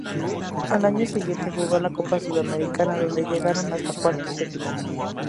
Al año siguiente jugó la Copa Sudamericana donde llegaron hasta cuartos de final.